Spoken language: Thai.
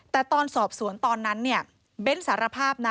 แต่ตอนสอบสวนตอนนั้นเบนด์สารภาพ